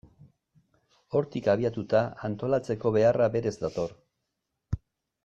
Hortik abiatuta, antolatzeko beharra berez dator.